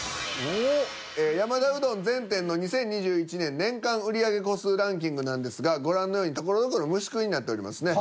「山田うどん」全店の２０２１年年間売り上げ個数ランキングなんですがご覧のようにところどころ虫食いになっておりますね。